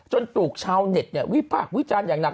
จนถูกชาวเน็ตเนี่ยวิภาควิจารณ์อย่างหนัก